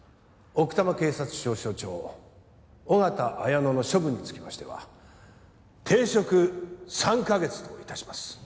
奥多摩警察署署長緒方綾乃の処分につきましては停職３か月といたします。